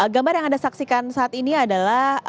gambar yang anda saksikan saat ini adalah